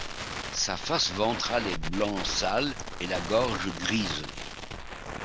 Sa face ventrale est blanc sale et la gorge grise.